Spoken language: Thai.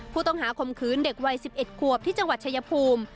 ข้อหาคมคืนเด็กวัย๑๑ขวบที่จังหวัดชายภูมิ